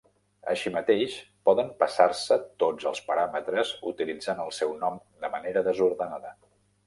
Així mateix, poden passar-se tots els paràmetres utilitzant el seu nom de manera desordenada.